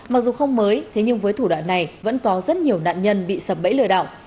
mặc dù không mới thế nhưng với thủ đoạn này vẫn có rất nhiều nạn nhân bị sập bẫy lừa đảo